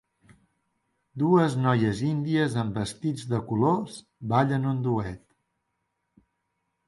Dues noies índies amb vestits de colors ballen un duet.